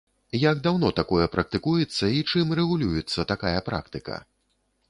Як даўно такое практыкуецца і чым рэгулюецца такая практыка?